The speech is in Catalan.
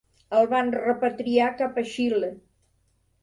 El van repatriar cap a Xile.